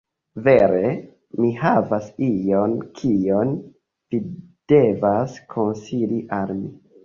Vere, mi havas ion kion vi devas konsili al mi